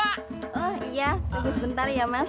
oh iya tunggu sebentar ya mas